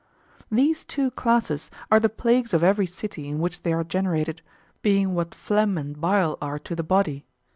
These two classes are the plagues of every city in which they are generated, being what phlegm and bile are to the body.